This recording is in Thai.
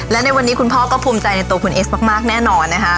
และในวันนี้คุณพ่อก็ภูมิใจในตัวคุณเอสมากแน่นอนนะคะ